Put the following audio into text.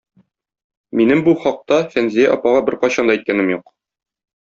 Минем бу хакта Фәнзия апага беркайчан да әйткәнем юк.